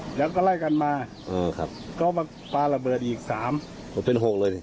เดี๋ยวก็ไล่กันมาเออครับก็มาปลาระเบิดอีกสามเป็นหกเลย